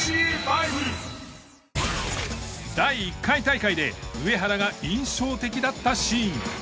第１回大会で上原が印象的だったシーン。